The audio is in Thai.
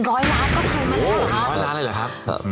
๑๐๐ล้านก็ถึง๑๐๐ล้าน